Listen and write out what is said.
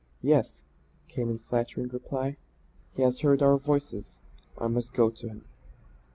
"Yes," came in faltering reply. "He has heard our voices; I must go to him."